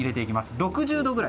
６０度ぐらい。